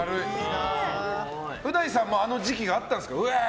う大さんもあの時期があったんですか。